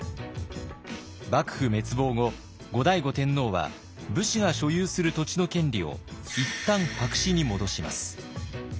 幕府滅亡後後醍醐天皇は武士が所有する土地の権利を一旦白紙に戻します。